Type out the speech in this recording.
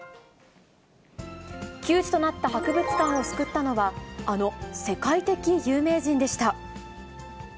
窮地となった博物館を救ったのは、あの世界的有名人でした。